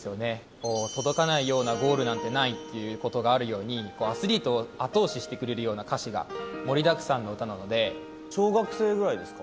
もう届かないようなゴールなんてないっていうことがあるように、アスリートを後押ししてくれるような歌詞が盛りだくさんの歌なの小学生くらいですか？